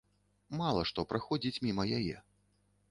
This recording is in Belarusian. Мала што праходзіць міма яе.